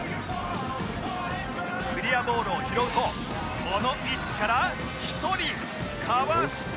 クリアボールを拾うとこの位置から１人かわして